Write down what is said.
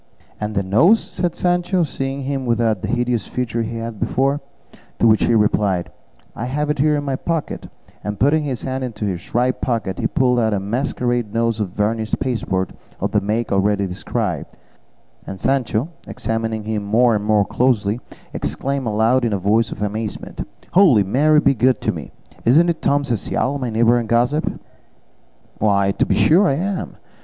"And the nose?" said Sancho, seeing him without the hideous feature he had before; to which he replied, "I have it here in my pocket," and putting his hand into his right pocket, he pulled out a masquerade nose of varnished pasteboard of the make already described; and Sancho, examining him more and more closely, exclaimed aloud in a voice of amazement, "Holy Mary be good to me! Isn't it Tom Cecial, my neighbour and gossip?" "Why, to be sure I am!"